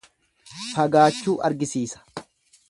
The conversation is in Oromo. Fagaachuu argisiisa.